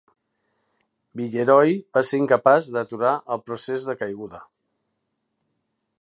Villeroi va ser incapaç d'aturar el procés de caiguda.